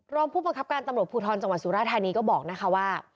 รองผู้ประคับการจังหวัดสุราธานีก็บอกนะคะว่า